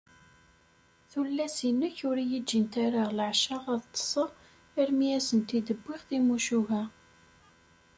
Tullas-a-inek ur i yi-ğğint ara leεca ad ṭṭseɣ armi i asent-id-wwiɣ timucuha.